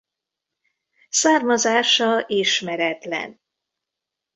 Származása ismeretlen.